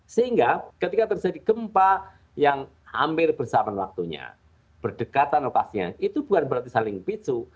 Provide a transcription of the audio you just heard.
sehingga ketika terjadi gempa yang hampir bersamaan waktunya berdekatan lokasinya itu bukan berarti saling pisu